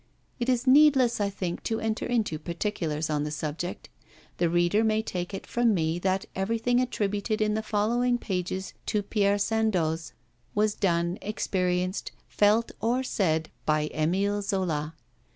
It is needless, I think, to enter into particulars on the subject. The reader may take it from me that everything attributed in the following pages to Pierre Sandoz was done, experienced, felt or said by Émile Zola.